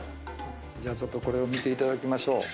じゃあちょっとこれを見ていただきましょう。